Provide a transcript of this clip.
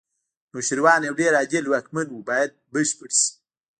نوشیروان یو ډېر عادل واکمن و باید بشپړ شي.